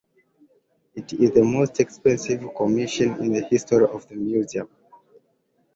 It is the most expensive commission in the history of the museum.